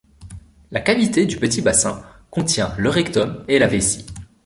La cavité du petit bassin contient le rectum et la vessie.